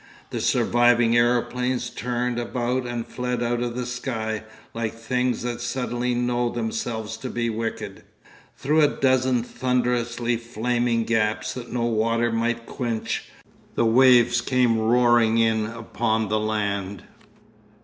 The surviving aeroplanes turned about and fled out of the sky, like things that suddenly know themselves to be wicked.... Through a dozen thunderously flaming gaps that no water might quench, the waves came roaring in upon the land....